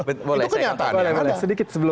itu kenyataannya ada